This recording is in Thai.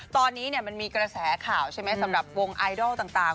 ตอนนี้มันมีกระแสข่าวใช่ไหมสำหรับวงไอดอลต่าง